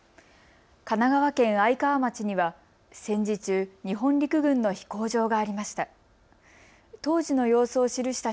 神奈川県愛川町には戦時中、日本陸軍の飛行場がありました。